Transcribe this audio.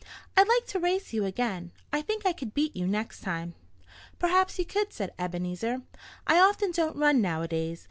I'd like to race you again. I think I could beat you next time." "Perhaps you could," said Ebenezer. "I don't often run nowadays.